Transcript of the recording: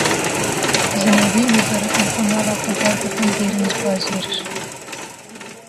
Jinebî û zarokên xwe mala xwe bar dikin derin bajêr